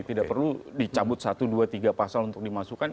tidak perlu dicabut satu dua tiga pasal untuk dimasukkan